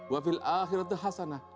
wafil akhirat hasanah